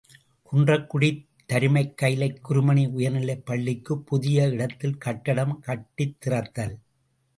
● குன்றக்குடித் தருமைக் கயிலைக் குருமணி உயர்நிலைப் பள்ளிக்குப் புதிய இடத்தில் கட்டடம் கட்டித் திறத்தல்.